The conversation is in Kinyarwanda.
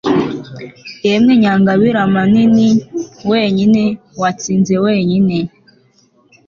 yemwe nyangabirama nini, wenyine, watsinze wenyine